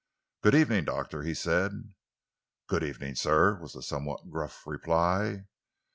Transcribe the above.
"Good evening, Doctor," he said. "Good evening, sir," was the somewhat gruff reply.